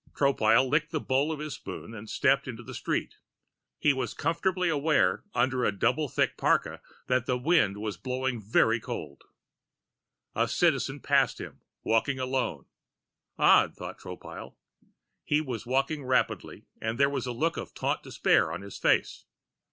Tropile licked the bowl of his spoon and stepped into the street. He was comfortably aware under a double thick parka that the wind was blowing very cold. A Citizen passed him, walking alone: odd, thought Tropile. He was walking rapidly and there was a look of taut despair on his face.